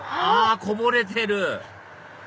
あこぼれてる！